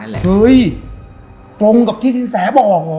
เฮ้ยตรงกับที่สินแสบอกเหรอ